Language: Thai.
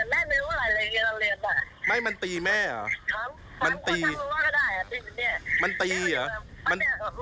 แม่ที่เห็นมันบอกกับแม่นะมันทำนี่แม่ที่เห็น